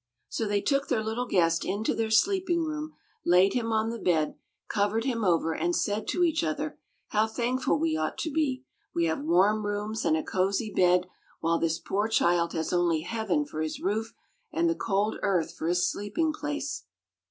So they took their little guest into their sleeping room, laid him on the bed, covered him over, and said to each other: "How thankful we ought to be! We have warm rooms and a cozy bed, while this poor child has only heaven for his roof and the cold earth for his sleeping place."